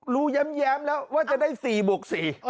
แย้มแล้วว่าจะได้๔บวก๔